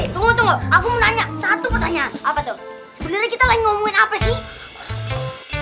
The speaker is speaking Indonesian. tunggu tunggu aku nanya satu pertanyaan apa tuh sebenarnya kita lagi ngomongin apa sih